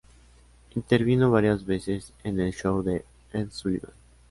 Intervino varias veces en el show de Ed Sullivan.